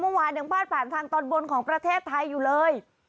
เมื่อวานยังพาดผ่านทางตอนบนของประเทศไทยอยู่เลย